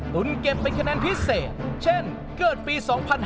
คุณเก็บเป็นคะแนนพิเศษเช่นเกิดปี๒๕๕๙